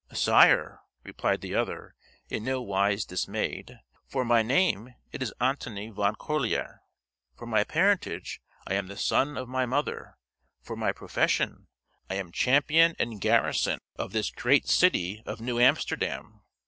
"Sire," replied the other, in no wise dismayed, "for my name, it is Antony Van Corlear for my parentage, I am the son of my mother for my profession, I am champion and garrison of this great city of New Amsterdam."